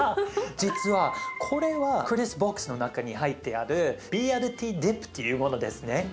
実はこれはクリスボックスの中に入ってあるＢＬＴディップというものですね。